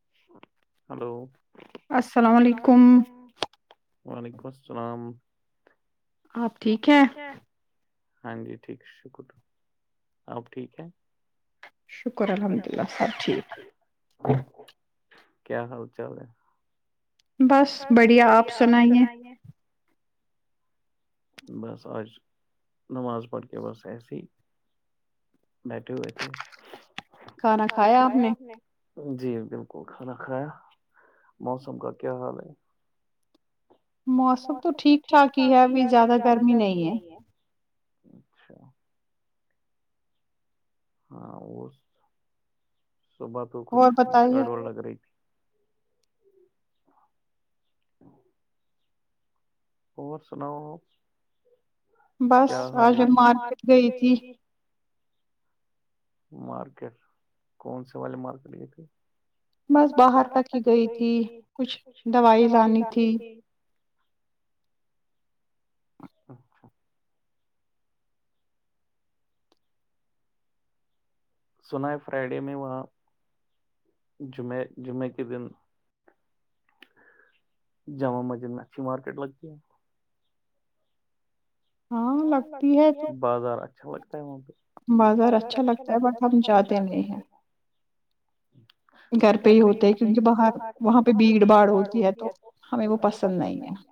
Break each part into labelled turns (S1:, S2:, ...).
S1: [unintelligible]
S2: السلام علیکم [unintelligible]
S1: السلام علیکم السلام [unintelligible]
S2: [unintelligible]
S1: ہاں جی ٹھیک شکر اپ ٹھیک ہیں
S2: شکر الحمدللہ سب ٹھیک
S1: کیا حال چال ہے
S2: بس بڑھیا اپ سنائیے
S1: بس اج نماز پڑھ کے بس ایسے ہی بیٹھے ہوئے تھے
S2: کھانا کھایا اپ نے
S1: جی بالکل کھانا کھایا موسم کا کیا حال ہے
S2: موسم تو ٹھیک ٹھاک ہی ہے ابھی زیادہ گرمی نہیں ہے
S1: [unintelligible] صبح تو کچھ لگ رہی تھی [inaudible] اور سناؤ
S2: بس اج ہم مارکیٹ گئی تھی
S1: [unintelligible]
S2: بس باہر تک ہی گئی تھی کچھ دوائی لانی تھی
S1: [inaudible] سنا ہے آپ فردے ہے آپ جمے کے دن [unintelligible] ہاں لگتی ہے بازار اچھا لگتا ہے وہاں پہ بازار اچھا لگتا ہے ہم چار دن میں گھر پہ ہی ہوتے ہیں کسی باہر وہاں پہ بیرباڑ ہوتی ہے تو ہمیں وہ پرسن نہیں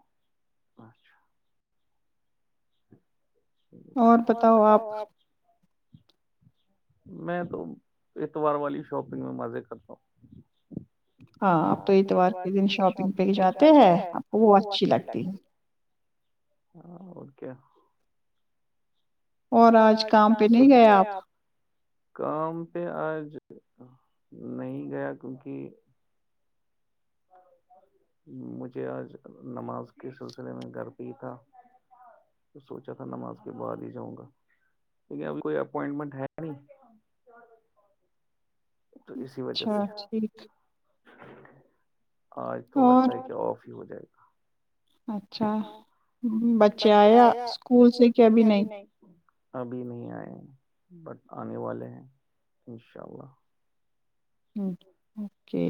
S2: اور بتاؤ اپ
S1: اتوار والی شاپنگ میں مزے کرتا ہوں
S2: ہاں پہ اتوار کے دن شاپنگ پہ جاتے ہیں وہ
S1: [inaudible] [inaudible] اور اج کام پہ نہیں گئے اپ کام پہ نہیں گیا کیونکہ مجھے اج نماز کے سلسلے میں گھر بھی تھا تو سوچا تھا نماز کے بعد ہی جاؤں گا لیکن ابھی کوئی اپوائنٹمنٹ ہے نہیں تو اسی وجہ سے [inaudible] اج تو لگتا ہے کہ [inaudible]
S2: اچھا بچے ایا سکول سے کیا بھی نہیں
S1: ابھی میں ائے اور انے والے انشاءاللہ
S2: [inaudible] اوکے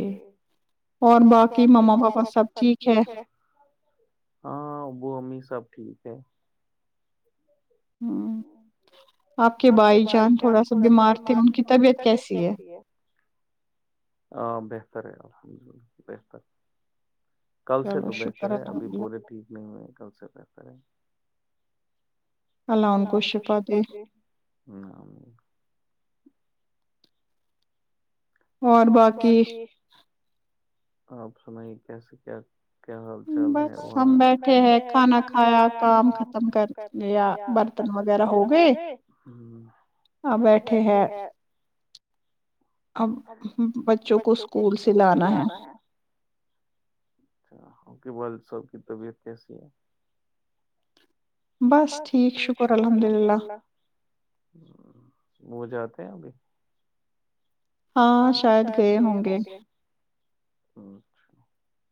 S2: اور ماں کی مما بابا سب ٹھیک ہے
S1: امین صاحب ٹھیک ہیں اوکے بھائی جان تھوڑا سا بیمار تھے ان کی طبیعت کیسی ہے بہتر ہے جی کل سے تو بہتر ہے ابھی پورے ٹھیک نہیں ہے اللہ ان کو شفا دے
S2: اور باقی
S1: اپ سنائیں کیسے کیا حال چال ہیں وہاں ہم بیٹھے ہیں کھانا کھایا تھا وغیرہ ہو گئے بیٹھے ہیں بچوں کو سکول سے لانا ہے سب کی طبیعت کی
S2: بس ٹھیک شکر الحمدللہ
S1: بو جاتے ہیں اگے
S2: ہاں شاید گئے ہوں گے
S1: [inaudible]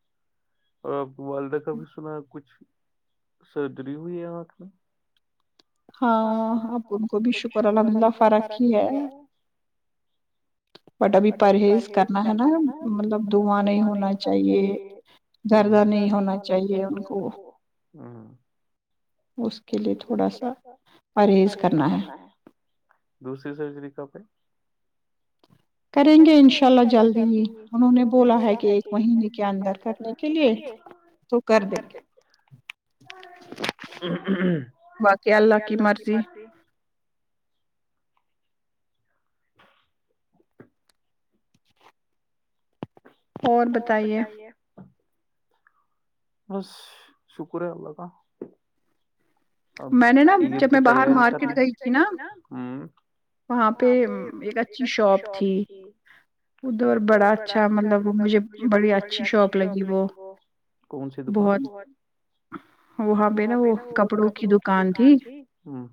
S1: [inaudible] ورلڈ کپی سنا کچھ سرجری ہوئی ہے ہاتھ میں
S2: ہاں اب ان کو بھی شکر الحمدللہ فرق ہی ہے بٹا بھی پر ہے اس کرنا ہے نا مطلب دعا نہیں ہونا چاہیے دردا نہیں ہونا چاہیے ان کو
S1: ہاں اس کو تو تھوڑا سا اریز کرنا ہے دوسری سرجری کب ہیں [inaudible]
S2: کریں گے انشاءاللہ جلد ہی انہوں نے بولا ہے کہ ایک مہینے کے اندر کرنے کے لیے تو کر دیں گے
S1: باقی اللہ کی مرضی
S2: اور بتائیے
S1: [inaudible] شکر ہے اللہ کا میں نے ان کی تیاری تھی نا وہاں پہ ایک اچھی شاپ تھی اور بڑا اچھا مطلب وہ مجھے بڑی اچھی شاپ لگی وہ کون سی دکان وہاں پہ نا وہ [inaudible] ہاں جی ہاں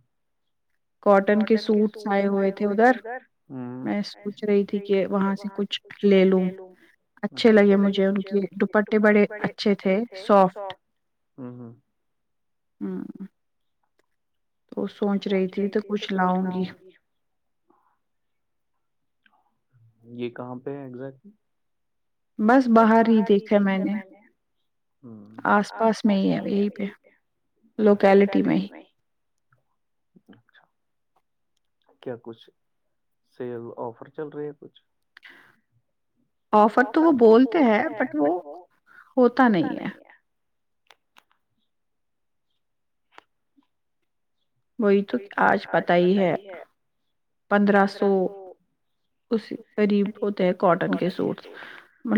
S1: کاٹن کے سوٹ ائے ہوئے تھے ادھر ہم ایسے گھس رہی تھی کہ وہاں سے کچھ لے لوں انشاءاللہ یہ مجھے ان کی دکت نے بڑے اچھے تھے سوپ ہ
S2: تو سوچ رہی تھی تو کچھ لاؤں گی
S1: یہ کہاں پہ ہے ایگزیکٹ بس باہر ہی دیکھتے ہیں میں نے اس پاس نہیں ہے یہ لوگ ایلٹی میں ہی [inaudible] کیا کچھ سال افر چل رہی ہ ہے
S2: افت تو وہ بولتے ہیں بٹ وہ ہوتا نہیں ہے وہی تو کہ اج پتہ ہی ہے اس قریب ہوتا ہے کاٹن کے سوٹس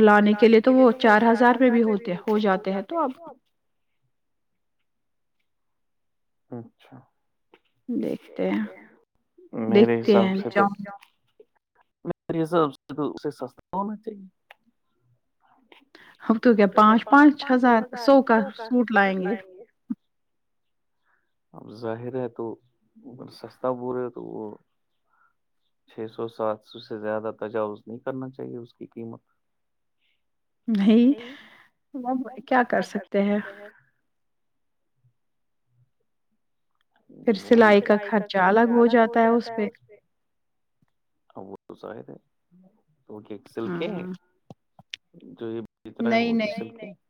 S2: لانے کے لیے تو وہ چار ہزار میں بھی ہوتے ہیں ہو جاتے ہیں تو اب
S1: اچھا
S2: دیکھتے ہیں دیکھتے ہیں جاؤ
S1: میرا حساب سی تو اسا سستا ہے ہونا چیا
S2: ہم تو ہو گیا پانچ پانچ ہزار سو کر سوٹ لائیں گے
S1: ظاہر ہے تو سستا بولے تو وہ سے زیادہ تجاوز نہیں کرنا چاہیے اس کی قیمت
S2: بھائی ابھ کیا کر سکتے ہیں
S1: سلایے کا خرچاالگ ہو جاتا ہے اس میں [inaudible] [unintelligible] [unintelligible] نہیں نہیں [unintelligible]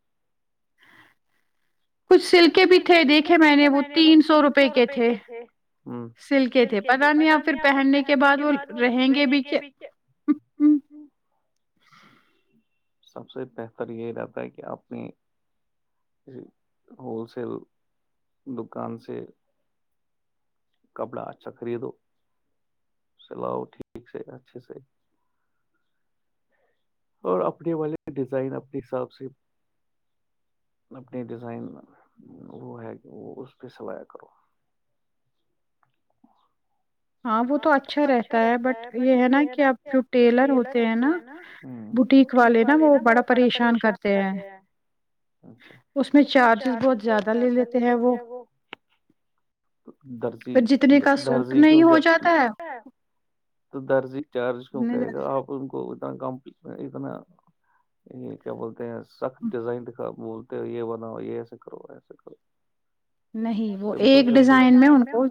S2: کچھ سلکے بھی تھے دیکھیں میں نے وہ تین ہزار روپے کے تھے سل کی سلکی بھی تھے پتا نہیں اپ پھر پہننے کے بعد وہ رہیں گی
S1: سب سے بہتر یہ رہتا ہے کہ اپ نے ہول سیل دکان سے کپڑا اچھا خریدو سلاؤ ٹھیک سے اچھے سے اور اپنے والے ڈیزائن اپنے حساب سے اپنے ڈیزائن وہ ہے کہ وہ اس پہ سوایا کرو ہاں وہ تو اچھا رہتا ہے بٹ یہ ہے نا کہ اب ٹو ٹیلر ہوتے ہیں نا وہ ٹیک والے نا وہ بڑا پریشان کرتے ہیں اچھا اس میں چارجز بہت زیادہ لے لیتے ہیں وہ درزی درزی
S2: نہیں ہو [unintelligible]
S1: درزی چارج کیوں کرے گا اپ ان کو [unintelligible] [unintelligible] [unintelligible]
S2: نہیں وہ ایک ڈیزائن میں ان کو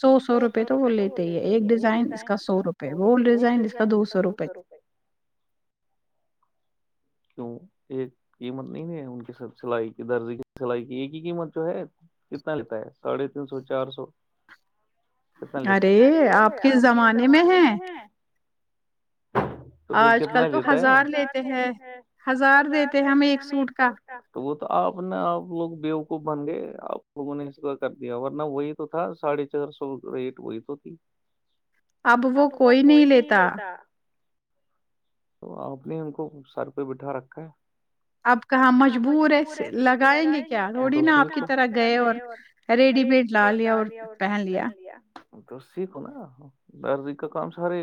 S2: سو سو روپے
S1: بالکل وہ لیتے ہیں ایک ڈیزائن اس کا سو روپے ہوتا ہے وہ ڈیزائن جس کا دو سو روپے کا درزی سلائی کی قیمت جو ہے کتنا لیتا ہے ساڑھے تین سو چار سو ارے اپ کے زمانے میں ہیں ہزار میں
S2: ح
S1: [unintelligible]
S2: ہزار دیتے ہیں ہمیں ایک سوٹ کا
S1: اپ نے اپ لوگ بیوقوف بن گئے اپ لوگوں نے صبح کر دیا ورنہ وہی تو تھا ساڑھے سو ریٹ ہوئی تو تھی
S2: اب وہ کوئی نہیں لیتا
S1: [unintelligible] [unintelligible]
S2: اب کہاں مجبور ایسے لگائیں گے کیا روڑی نا اپ کی طرح گئے اور ریڈی پیج لا لیا اور پہن لیا
S1: درزی کا کام سارے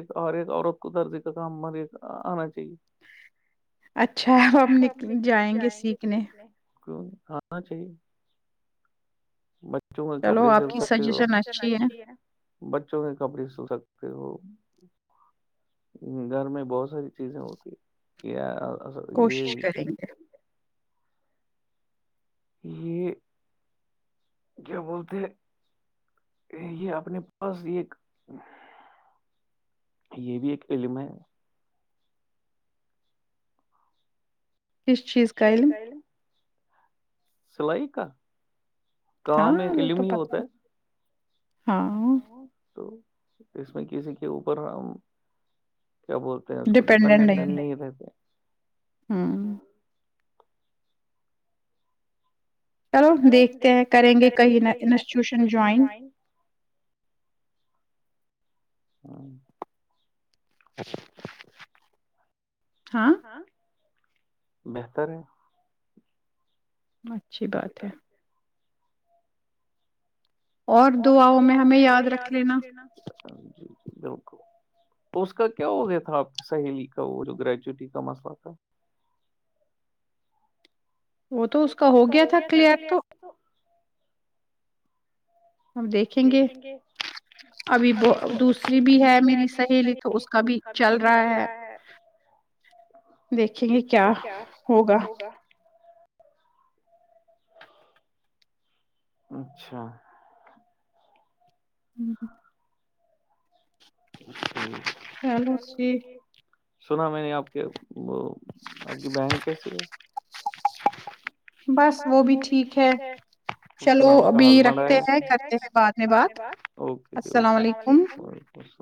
S1: عورت کو درد کا کام مرے انا چاہیے
S2: اچھا ہم جائیں گے سیکھنے
S1: ہاں جی [unintelligible] بچوں کی کپڑھے سل سکتے ہو [unintelligible] گھر میں بہت ساری چیزیں ہوتی ہیں [unintelligible]
S2: کوشش کریں گے
S1: یہ جو بولتے ہیں کہ یہ اپنے پاس یہ بھی ایک علم ہے اس چیز کا علم [unintelligible]
S2: [unintelligible]
S1: [unintelligible] کیا بولتے ہیں اس کو ڈیپینڈنٹ نہیں ہے
S2: [unintelligible] دیکھتے ہیں کریں گے کہیں انسٹیٹیوشن جوائن
S1: [unintelligible]
S2: [inaudible] [unintelligible]
S1: [unintelligible]
S2: اچھی بات ہے
S1: اور دعاؤں میں ہمیں یاد رکھ لینا اس کا کیا ہو گیا تھا سہیلی کا وہ جو گریجوٹی کا مسئلہ تھا
S2: وہ تو اس کا ہو گیا تھا کلیر تو
S1: دیکھیں گے ابھی دوسری بھی ہے میری تو اس کا بھی چل رہا ہے دیکھیں کیا ہوگا [unintelligible]
S2: [unintelligible] [unintelligible]
S1: [unintelligible] اپ کی بہن کس بس وہ بھی ٹھیک ہے اس کا ہسبینڈ ہے کرنے سے باتیں بات اوکے السلام علیکم